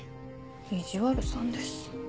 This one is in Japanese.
意地悪さんです。